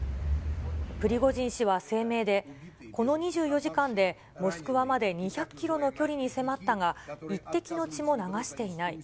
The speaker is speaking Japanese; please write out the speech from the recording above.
プリゴジン氏は声明で、この２４時間でモスクワまで２００キロの距離に迫ったが、一滴の血も流していない。